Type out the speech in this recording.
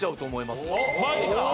マジか！